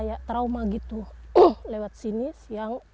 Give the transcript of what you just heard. kayak trauma gitu lewat sini siang